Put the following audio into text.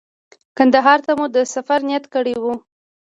کندهار ته مو د سفر نیت کړی و.